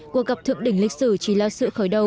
cuộc gặp thượng đỉnh lịch sử chỉ là sự khởi đầu